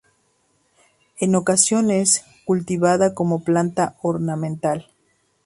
En ocasiones cultivada como planta ornamental.